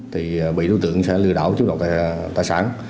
thì bị đối tượng sẽ lừa đảo chứng đột tài sản